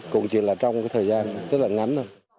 cũng chỉ là trong thời gian rất là ngắn